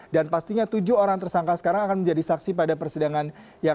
dan pastinya tujuh orang tersangka sekarang akan menjadi saksi pada persidangan